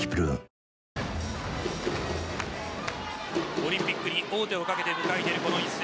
オリンピックに王手をかけて迎えているこの一戦。